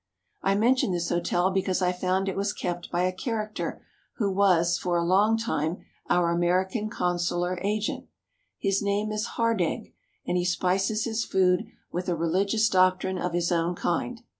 I mention this hotel because I found it was kept by a character who was for a long time our American consular agent. His name is Hardegg, and he spices his food with a religious doctrine of his own kind.